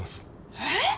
えっ！？